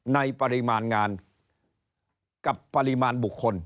ในปริมาณงานกับปริมาณบุคคล